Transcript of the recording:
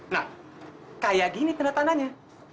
nah kayak gini tanda tandanya